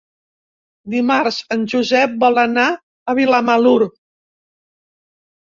Dimarts en Josep vol anar a Vilamalur.